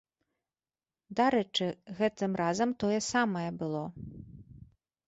Дарэчы, гэтым разам тое самае было.